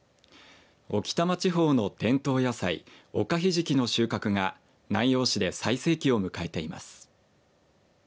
置賜地方の伝統野菜おかひじきの収穫が南陽市で最盛期を迎えています。